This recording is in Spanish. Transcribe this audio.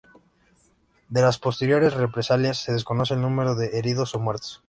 De las posteriores represalias se desconoce el número de heridos o muertos.